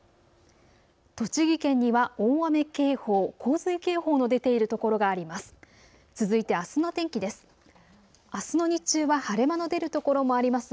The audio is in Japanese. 栃木県には大雨警報、洪水警報の出ている所があります。